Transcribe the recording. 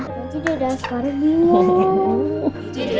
nanti dia udah askaran gitu